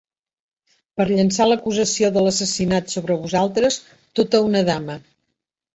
Per llançar l'acusació de l'assassinat sobre vosaltres, tota una dama.